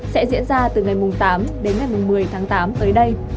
sẽ diễn ra từ ngày tám đến ngày một mươi tháng tám tới đây